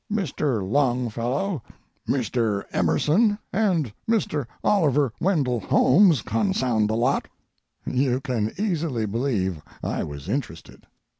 "Mr. Longfellow, Mr. Emerson, and Mr. Oliver Wendell Holmes—consound the lot!" You can easily believe I was interested.